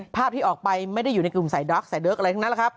ภาพที่ออกไปไม่ได้อยู่ในกลุ่มสายด็อกใส่เดิร์กอะไรทั้งนั้นแหละครับ